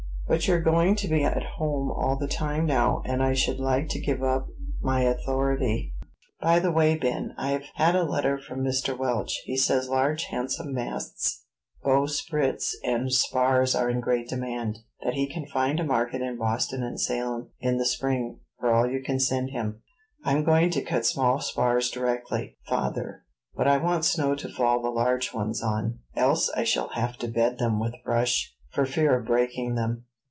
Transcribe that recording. "But you're going to be at home all the time now; and I should like to give up my authority." "By the way, Ben, I've had a letter from Mr. Welch; he says large, handsome masts, bowsprits, and spars are in great demand; that he can find a market in Boston and Salem, in the spring, for all you can send him." "I'm going to cut small spars directly, father; but I want snow to fall the large ones on, else I shall have to bed them with brush, for fear of breaking them."